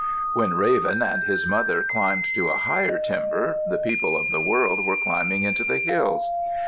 When Raven and his mother climbed to a higher timber, the people of the world were climbing into the hills.